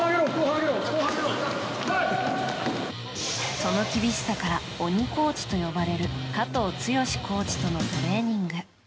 その厳しさから鬼コーチと呼ばれる加藤健志コーチとのトレーニング。